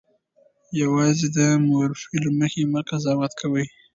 یوازې د مورفي له مخې مه قضاوت کوئ.